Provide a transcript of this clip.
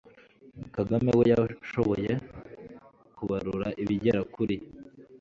kagame we yashoboye kubarura ibigera kuri